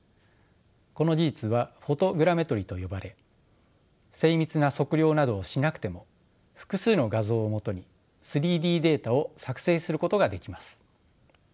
この技術はフォトグラメトリと呼ばれ精密な測量などをしなくても複数の画像をもとに３Ｄデータを作成することができます。